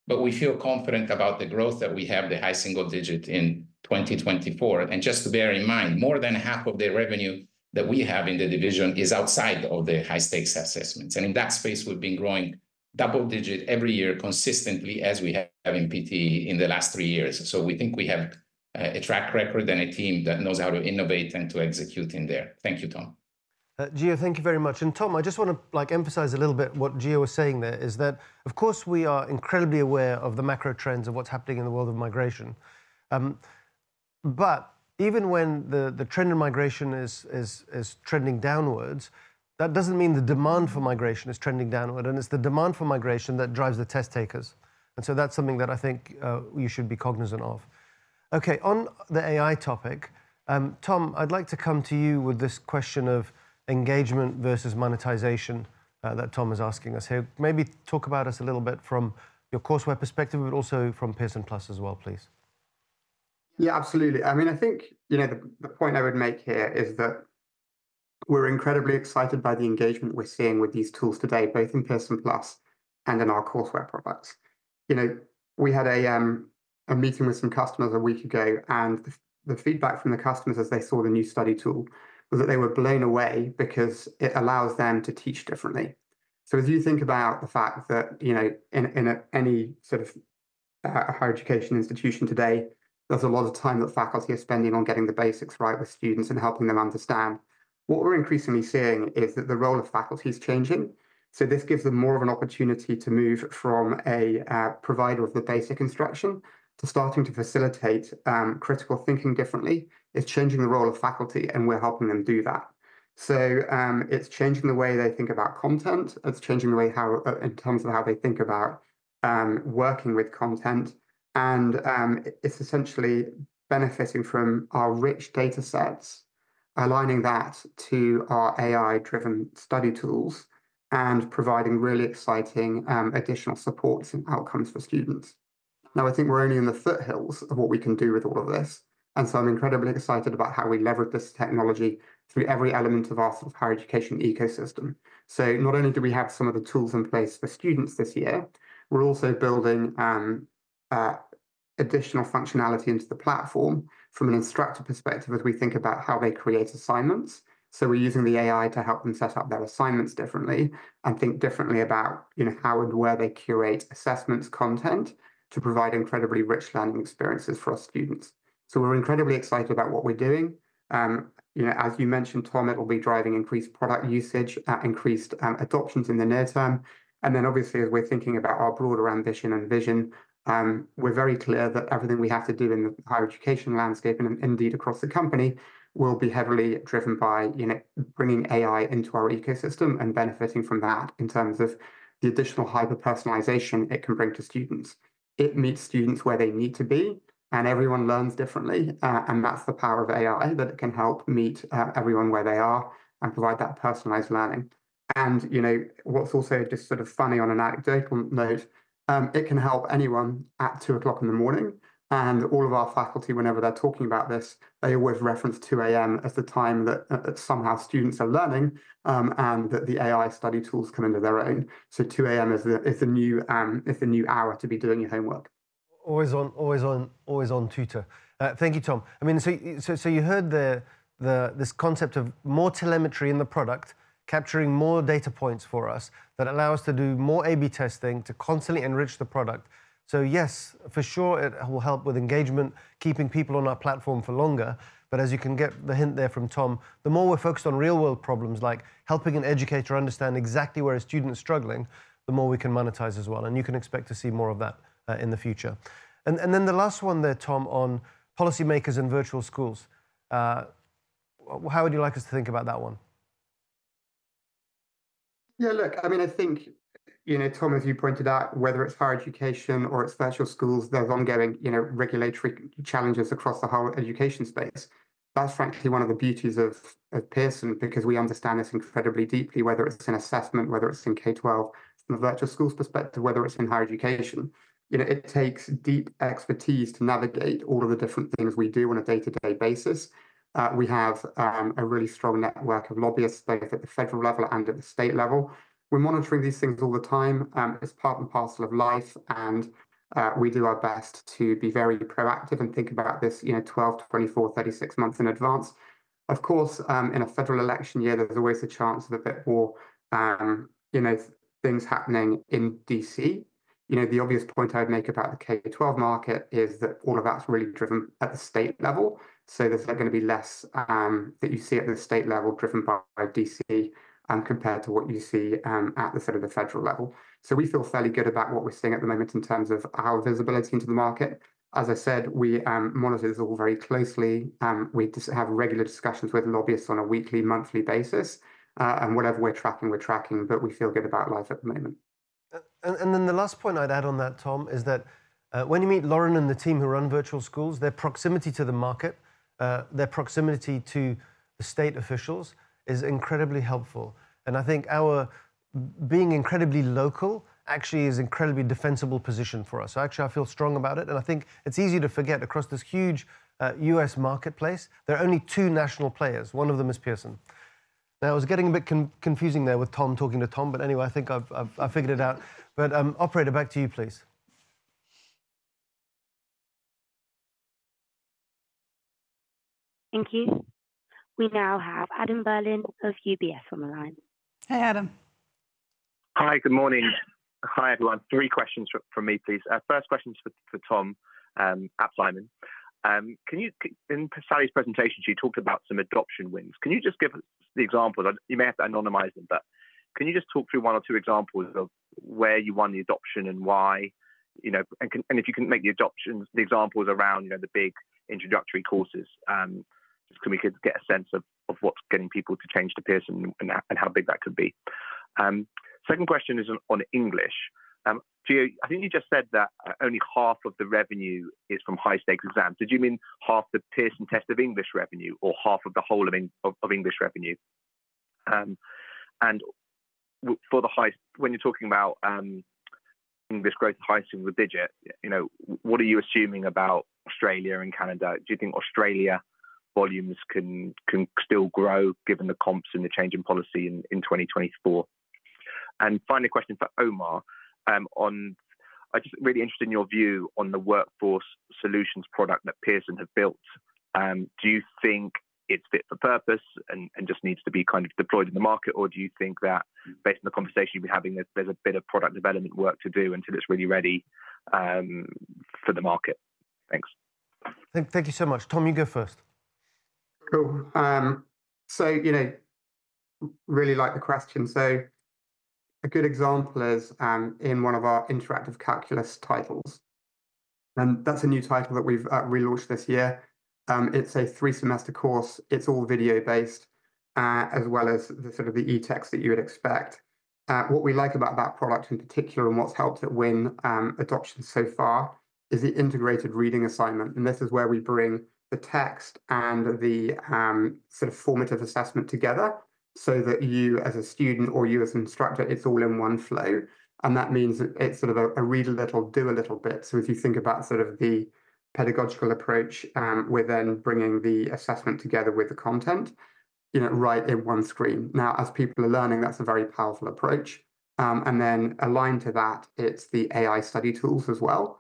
but we feel confident about the growth that we have, the high single digit in 2024. Just to bear in mind, more than half of the revenue that we have in the division is outside of the high-stakes assessments. And in that space, we've been growing double-digit every year consistently as we have in PTE in the last 3 years. So we think we have a track record and a team that knows how to innovate and to execute in there. Thank you, Tom. Gio, thank you very much. And Tom, I just want to emphasize a little bit what Gio was saying there is that, of course, we are incredibly aware of the macro trends of what's happening in the world of migration. But even when the trend in migration is trending downwards, that doesn't mean the demand for migration is trending downward. And it's the demand for migration that drives the test takers. And so that's something that I think you should be cognizant of. Okay, on the AI topic, Tom, I'd like to come to you with this question of engagement versus monetization that Tom is asking us here. Maybe talk about us a little bit from your courseware perspective, but also from Pearson+ as well, please. Yeah, absolutely. I mean, I think the point I would make here is that we're incredibly excited by the engagement we're seeing with these tools today, both in Pearson+ and in our courseware products. We had a meeting with some customers a week ago, and the feedback from the customers as they saw the new study tool was that they were blown away because it allows them to teach differently. So, as you think about the fact that in any sort of Higher Education institution today, there's a lot of time that faculty are spending on getting the basics right with students and helping them understand, what we're increasingly seeing is that the role of faculty is changing. So, this gives them more of an opportunity to move from a provider of the basic instruction to starting to facilitate critical thinking differently is changing the role of faculty, and we're helping them do that. So, it's changing the way they think about content. It's changing the way how in terms of how they think about working with content. And it's essentially benefiting from our rich data sets, aligning that to our AI-driven study tools, and providing really exciting additional supports and outcomes for students. Now, I think we're only in the foothills of what we can do with all of this. And so I'm incredibly excited about how we leverage this technology through every element of our sort of Higher Education ecosystem. So not only do we have some of the tools in place for students this year, we're also building additional functionality into the platform from an instructor perspective as we think about how they create assignments. So we're using the AI to help them set up their assignments differently and think differently about how and where they curate assessments content to provide incredibly rich learning experiences for our students. So we're incredibly excited about what we're doing. As you mentioned, Tom, it will be driving increased product usage, increased adoptions in the near term. And then obviously, as we're thinking about our broader ambition and vision, we're very clear that everything we have to do in the Higher Education landscape and indeed across the company will be heavily driven by bringing AI into our ecosystem and benefiting from that in terms of the additional hyper-personalization it can bring to students. It meets students where they need to be, and everyone learns differently. And that's the power of AI, that it can help meet everyone where they are and provide that personalized learning. And what's also just sort of funny on an anecdotal note, it can help anyone at 2:00 A.M. And all of our faculty, whenever they're talking about this, they always reference 2:00 A.M. as the time that somehow students are learning and that the AI study tools come into their own. So 2:00 A.M. is the new hour to be doing your homework. Always on tutor. Thank you, Tom. I mean, so you heard this concept of more telemetry in the product, capturing more data points for us that allows us to do more A/B testing to constantly enrich the product. So yes, for sure, it will help with engagement, keeping people on our platform for longer. But as you can get the hint there from Tom, the more we're focused on real-world problems like helping an educator understand exactly where a student is struggling, the more we can monetize as well. And you can expect to see more of that in the future. And then the last one there, Tom, on policymakers in virtual schools. How would you like us to think about that one? Yeah, look, I mean, I think, Tom, as you pointed out, whether it's Higher Education or it's virtual schools, there's ongoing regulatory challenges across the whole education space. That's frankly one of the beauties of Pearson because we understand this incredibly deeply, whether it's in assessment, whether it's in K-12 from a virtual schools perspective, whether it's in Higher Education. It takes deep expertise to navigate all of the different things we do on a day-to-day basis. We have a really strong network of lobbyists both at the federal level and at the state level. We're monitoring these things all the time. It's part and parcel of life. And we do our best to be very proactive and think about this 12, 24, 36 months in advance. Of course, in a federal election year, there's always a chance of a bit more things happening in D.C. The obvious point I would make about the K-12 market is that all of that's really driven at the state level. So there's going to be less that you see at the state level driven by D.C. compared to what you see at the sort of the federal level. So we feel fairly good about what we're seeing at the moment in terms of our visibility into the market. As I said, we monitor this all very closely. We have regular discussions with lobbyists on a weekly, monthly basis. And whatever we're tracking, we're tracking. But we feel good about life at the moment. And then the last point I'd add on that, Tom, is that when you meet Lauren and the team who run virtual schools, their proximity to the market, their proximity to the state officials is incredibly helpful. I think our being incredibly local actually is an incredibly defensible position for us. So actually, I feel strong about it. I think it's easy to forget across this huge U.S. marketplace, there are only two national players. One of them is Pearson. Now, it was getting a bit confusing there with Tom talking to Tom. But anyway, I think I've figured it out. But Operator, back to you, please. Thank you. We now have Adam Berlin of UBS on the line. Hey, Adam. Hi, good morning. Hi, everyone. Three questions from me, please. First question is for Tom ap Simon. In Sally's presentation, she talked about some adoption wins. Can you just give us the examples? You may have to anonymize them. But can you just talk through one or two examples of where you won the adoption and why? If you can make the examples around the big introductory courses, just so we could get a sense of what's getting people to change to Pearson and how big that could be. Second question is on English. Gio, I think you just said that only half of the revenue is from high-stakes exams. Did you mean half the Pearson Test of English revenue or half of the whole of English revenue? When you're talking about English growth highest single digit, what are you assuming about Australia and Canada? Do you think Australia volumes can still grow given the comps and the change in policy in 2024? Finally, a question for Omar. I'm just really interested in your view on the workforce solutions product that Pearson have built. Do you think it's fit for purpose and just needs to be kind of deployed in the market? Or do you think that based on the conversation we've been having, there's a bit of product development work to do until it's really ready for the market? Thanks. Thank you so much. Tom, you go first. So really like the question. So a good example is in one of our interactive calculus titles. And that's a new title that we've relaunched this year. It's a three-semester course. It's all video-based as well as the sort of the e-text that you would expect. What we like about that product in particular and what's helped it win adoption so far is the integrated reading assignment. And this is where we bring the text and the sort of formative assessment together so that you as a student or you as an instructor, it's all in one flow. And that means it's sort of a read a little, do a little bit. As you think about sort of the pedagogical approach, we're then bringing the assessment together with the content right in one screen. Now, as people are learning, that's a very powerful approach. Aligned to that, it's the AI study tools as well.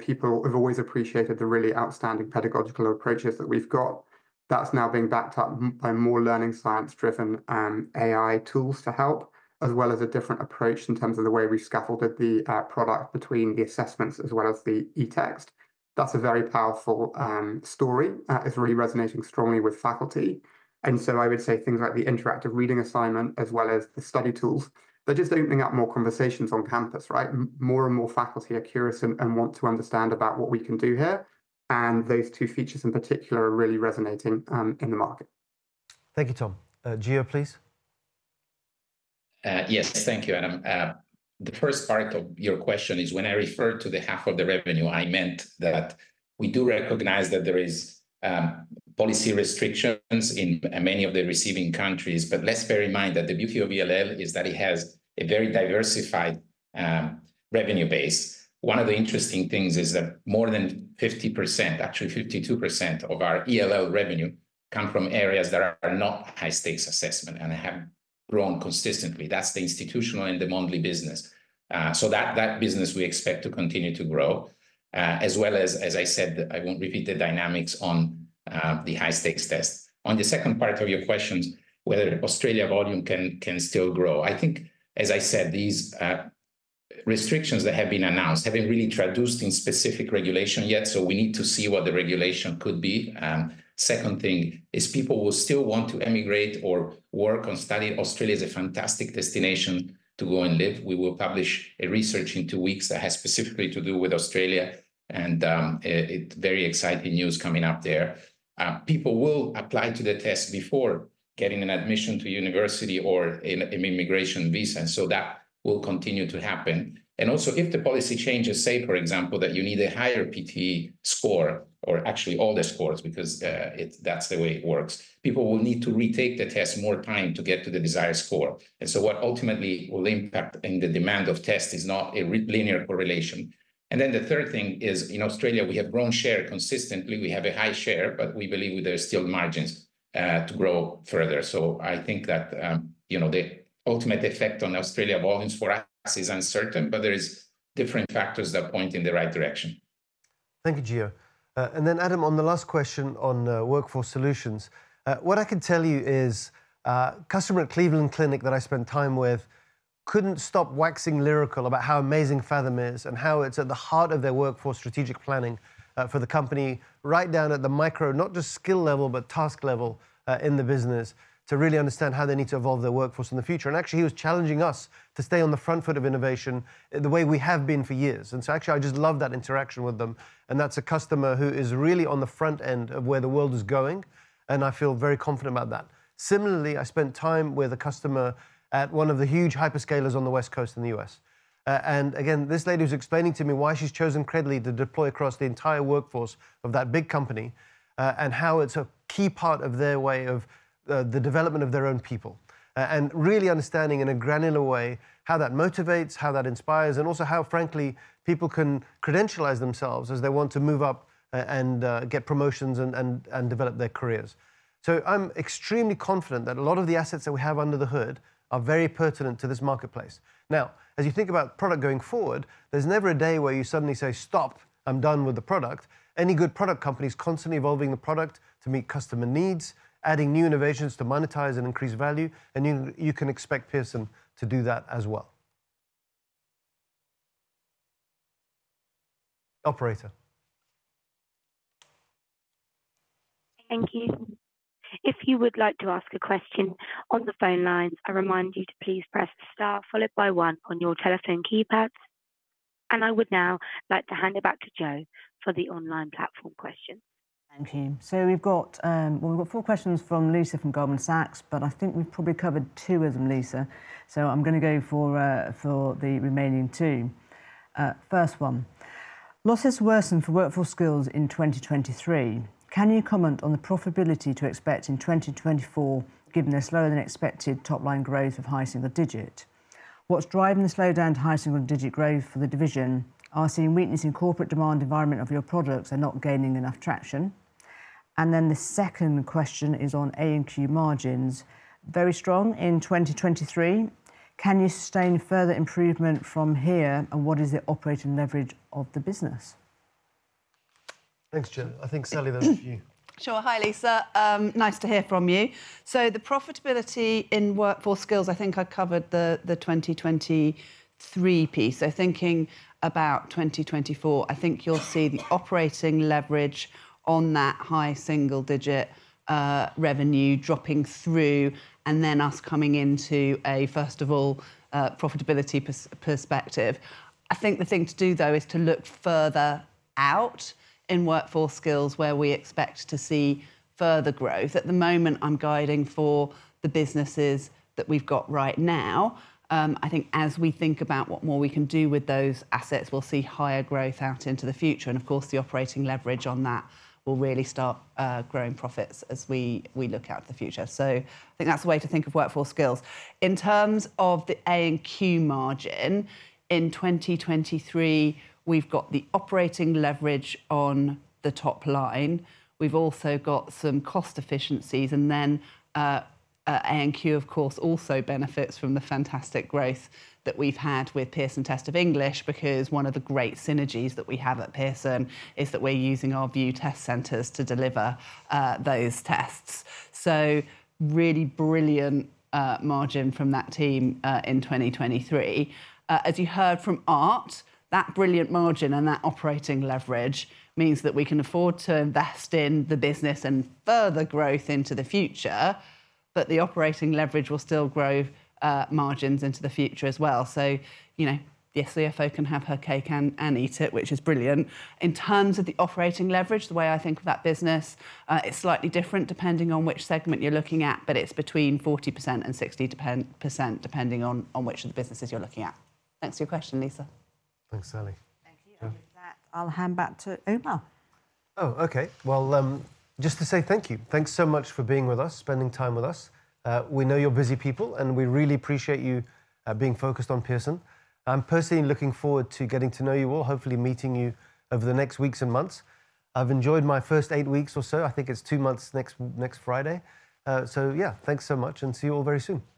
People have always appreciated the really outstanding pedagogical approaches that we've got. That's now being backed up by more learning science-driven AI tools to help as well as a different approach in terms of the way we've scaffolded the product between the assessments as well as the e-text. That's a very powerful story. It's really resonating strongly with faculty. I would say things like the interactive reading assignment as well as the study tools, they're just opening up more conversations on campus, right? More and more faculty are curious and want to understand about what we can do here. And those two features in particular are really resonating in the market. Thank you, Tom. Gio, please. Yes, thank you, Adam. The first part of your question is when I referred to the half of the revenue, I meant that we do recognize that there are policy restrictions in many of the receiving countries. But let's bear in mind that the beauty of ELL is that it has a very diversified revenue base. One of the interesting things is that more than 50%, actually 52% of our ELL revenue come from areas that are not high-stakes assessment and have grown consistently. That's the institutional and the monthly business. So that business we expect to continue to grow as well as, as I said, I won't repeat the dynamics on the high-stakes test. On the second part of your questions, whether Australia volume can still grow. I think, as I said, these restrictions that have been announced haven't really translated into specific regulation yet. So we need to see what the regulation could be. Second thing is people will still want to emigrate or work or study. Australia is a fantastic destination to go and live. We will publish research in two weeks that has specifically to do with Australia. And it's very exciting news coming up there. People will apply to the test before getting an admission to university or an immigration visa. And so that will continue to happen. And also, if the policy changes, say, for example, that you need a higher PTE score or actually all the scores because that's the way it works, people will need to retake the test more times to get to the desired score. And so what ultimately will impact the demand of tests is not a linear correlation. And then the third thing is in Australia, we have grown share consistently. We have a high share, but we believe there are still margins to grow further. So I think that the ultimate effect on Australia volumes for us is uncertain. But there are different factors that point in the right direction. Thank you, Gio. And then, Adam, on the last question on workforce solutions, what I can tell you is a customer at Cleveland Clinic that I spent time with couldn't stop waxing lyrical about how amazing Faethm is and how it's at the heart of their workforce strategic planning for the company right down at the micro, not just skill level, but task level in the business to really understand how they need to evolve their workforce in the future. Actually, he was challenging us to stay on the front foot of innovation the way we have been for years. So actually, I just love that interaction with them. And that's a customer who is really on the front end of where the world is going. And I feel very confident about that. Similarly, I spent time with a customer at one of the huge hyperscalers on the West Coast in the U.S. And again, this lady was explaining to me why she's chosen Credly to deploy across the entire workforce of that big company and how it's a key part of their way of the development of their own people and really understanding in a granular way how that motivates, how that inspires, and also how, frankly, people can credentialize themselves as they want to move up and get promotions and develop their careers. So I'm extremely confident that a lot of the assets that we have under the hood are very pertinent to this marketplace. Now, as you think about product going forward, there's never a day where you suddenly say, "Stop. I'm done with the product." Any good product company is constantly evolving the product to meet customer needs, adding new innovations to monetize and increase value. And you can expect Pearson to do that as well. Operator. Thank you. If you would like to ask a question on the phone lines, I remind you to please press star followed by one on your telephone keypads. And I would now like to hand it back to Jo for the online platform questions. Thank you. So we've got four questions from Lisa from Goldman Sachs. But I think we've probably covered two of them, Lisa. So I'm going to go for the remaining two. First one, losses worsened for Workforce Skills in 2023. Can you comment on the profitability to expect in 2024 given the slower-than-expected top-line growth of high single digit? What's driving the slowdown to high single digit growth for the division? Are we seeing weakness in the corporate demand environment of your products and not gaining enough traction? And then the second question is on A&Q margins. Very strong in 2023. Can you sustain further improvement from here? And what is the operating leverage of the business? Thanks, Jo. I think, Sally, those are for you. Sure. Hi, Lisa. Nice to hear from you. So the profitability in Workforce Skills, I think I covered the 2023 piece. So thinking about 2024, I think you'll see the operating leverage on that high single digit revenue dropping through and then us coming into a, first of all, profitability perspective. I think the thing to do, though, is to look further out in workforce skills where we expect to see further growth. At the moment, I'm guiding for the businesses that we've got right now. I think as we think about what more we can do with those assets, we'll see higher growth out into the future. And of course, the operating leverage on that will really start growing profits as we look out to the future. So I think that's the way to think of workforce skills. In terms of the A&Q margin, in 2023, we've got the operating leverage on the top line. We've also got some cost efficiencies. Then A&Q, of course, also benefits from the fantastic growth that we've had with Pearson Test of English because one of the great synergies that we have at Pearson is that we're using our VUE test centers to deliver those tests. So really brilliant margin from that team in 2023. As you heard from Art, that brilliant margin and that operating leverage means that we can afford to invest in the business and further growth into the future. But the operating leverage will still grow margins into the future as well. So the CFO can have her cake and eat it, which is brilliant. In terms of the operating leverage, the way I think of that business, it's slightly different depending on which segment you're looking at. But it's between 40%-60% depending on which of the businesses you're looking at. Thanks for your question, Lisa. Thanks, Sally. Thank you. With that, I'll hand back to Omar. Oh, okay. Well, just to say thank you. Thanks so much for being with us, spending time with us. We know you're busy people. We really appreciate you being focused on Pearson. I'm personally looking forward to getting to know you all, hopefully meeting you over the next weeks and months. I've enjoyed my first eight weeks or so. I think it's two months next Friday. So yeah, thanks so much. See you all very soon. Thanks, everyone.